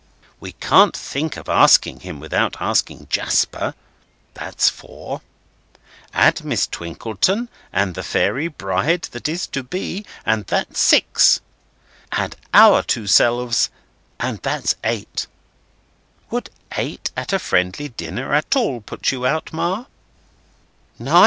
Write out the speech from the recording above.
We can't think of asking him, without asking Jasper. That's four. Add Miss Twinkleton and the fairy bride that is to be, and that's six. Add our two selves, and that's eight. Would eight at a friendly dinner at all put you out, Ma?"